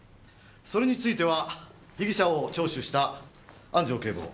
それについては被疑者を聴取した安城警部補。